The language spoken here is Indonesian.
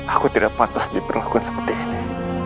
aku tidak patut diperlakukan seperti ini